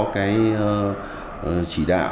cái chỉ đạo